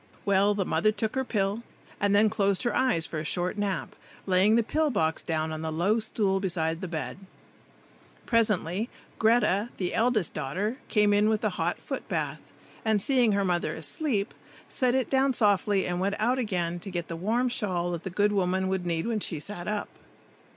Well, the mother took her pill, and then closed her eyes for a short nap, laying the pill box down on the low stool beside the bed. Presently Greta, the eldest daughter, came in with the hot foot bath, and seeing her mother asleep, set it down softly and went out again to get the warm shawl that the good woman would need when she sat up.